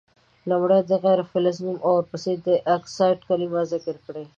لومړی د غیر فلز نوم او ورپسي د اکسایډ کلمه ذکر کیږي.